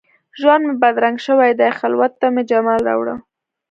ژوند مي بدرنګ شوی دي، خلوت ته مي جمال راوړه